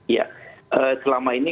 ya selama ini